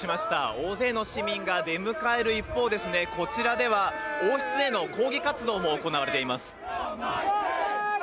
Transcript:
大勢の市民が出迎える一方、こちらでは王室への抗議活動も行われています。